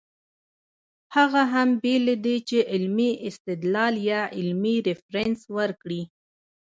هغه هم بې له دې چې علمي استدلال يا علمي ريفرنس ورکړي